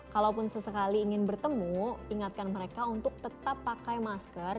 kalaupun sesekali ingin bertemu ingatkan mereka untuk tetap pakai masker